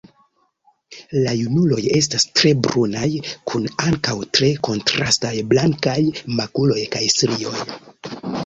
La junuloj estas tre brunaj kun ankaŭ tre kontrastaj blankaj makuloj kaj strioj.